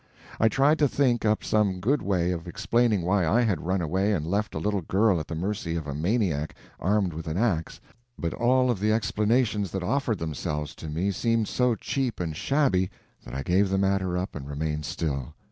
I tried to think up some good way of explaining why I had run away and left a little girl at the mercy of a maniac armed with an ax, but all of the explanations that offered themselves to me seemed so cheap and shabby that I gave the matter up and remained still.